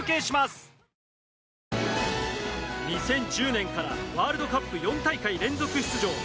２０１０年からワールドカップ４大会連続出場